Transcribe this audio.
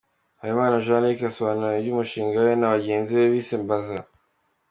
Habimana Jean Luc asobanura iby'umushinga we na bagenzi be bise 'Mbaza'.